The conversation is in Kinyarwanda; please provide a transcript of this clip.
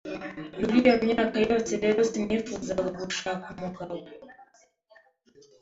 muri iyo myaka yose rero sinifuzaga gushaka umugabo